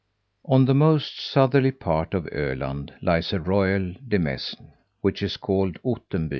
On the most southerly part of Öland lies a royal demesne, which is called Ottenby.